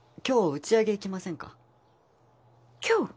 今日打ち上げ行きませんか？